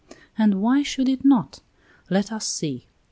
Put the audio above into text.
And why should it not? Let us see.